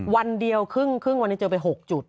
วันเดียวครึ่งวันนี้เจอไป๖จุด